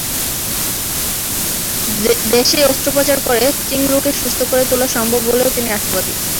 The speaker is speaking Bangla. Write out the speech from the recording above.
দেশেই অস্ত্রোপচার করে চিংড়োকে সুস্থ করে তোলা সম্ভব বলেও তিনি আশাবাদী।